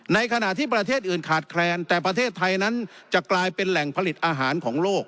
ในขณะที่ประเทศอื่นขาดแคลนแต่ประเทศไทยนั้นจะกลายเป็นแหล่งผลิตอาหารของโลก